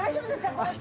この人。